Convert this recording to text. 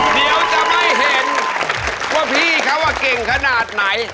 เดี๋ยวจะไม่เห็นว่าพี่เขาเก่งขนาดไหน